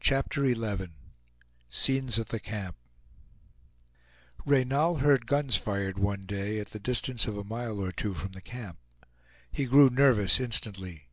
CHAPTER XI SCENES AT THE CAMP Reynal heard guns fired one day, at the distance of a mile or two from the camp. He grew nervous instantly.